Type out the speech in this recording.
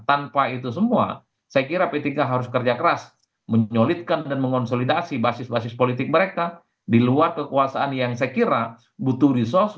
tanpa itu semua saya kira p tiga harus kerja keras menyolidkan dan mengonsolidasi basis basis politik mereka di luar kekuasaan yang saya kira butuh resource